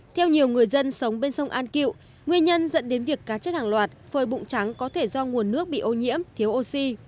theo nhiều người dân sống bên sông an cựu nguyên nhân dẫn đến việc cá chết hàng loạt phơi bụng trắng có thể do nguồn nước bị ô nhiễm thiếu oxy